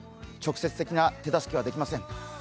直接的な手助けはできません。